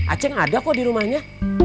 aceng ada kok di rumahnya